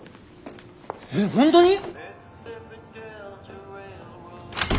えっ本当に？